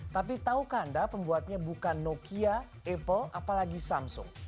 tapi tahukah anda pembuatnya bukan nokia apple apalagi samsung